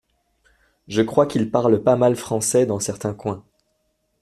je crois qu’ils parlent pas mal français dans certains coins.